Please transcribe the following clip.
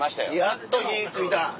やっと火ついた。